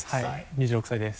２６歳です。